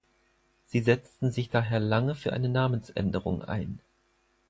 Sie setzten sich daher lange für eine Namensänderung ein.